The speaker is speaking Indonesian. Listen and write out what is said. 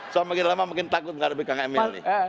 soalnya makin lama makin takut tidak ada bkm ini